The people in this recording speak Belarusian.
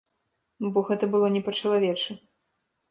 Бо гэта было не па-чалавечы.